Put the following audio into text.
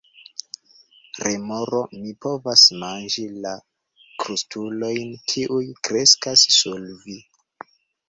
Remoro: "Mi povas manĝi la krustulojn kiuj kreskas sur vi."